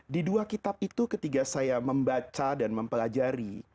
di dua kitab itu ketika saya membaca dan mempelajari